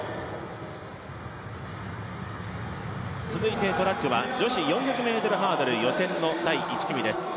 続いてトラックは女子４００ｍハードルの第１組です。